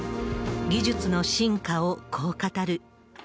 技術の進化をこう語る。